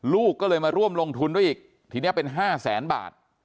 ลูกก็เลยมาร่วมลงทุนด้วยอีกทีนี้เป็น๕แสนบาท